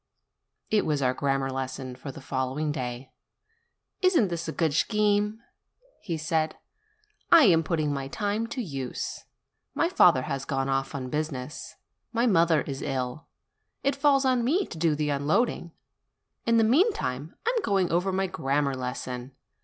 It was our grammar lesson for the following day. "Isn't this a good scheme?" he said. "I am putting my time to use. My father has gone off on business. My mother is ill. It falls to me to do the unloading. In the meantime, I am going over my grammar lesson.